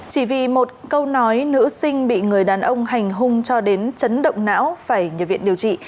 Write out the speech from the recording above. chỉ vì một câu nói nữ sinh bị người đàn ông hành hung cho đến chấn động não phải nhập viện điều trị